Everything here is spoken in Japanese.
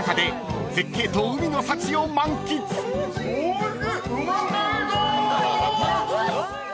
おいしい！